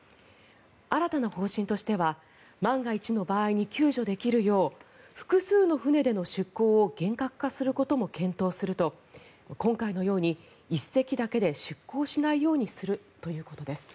新たな方針としては万が一の場合に救助できるよう複数の船での出港を厳格化することも検討すると今回のように１隻だけで出港しないようにするということです。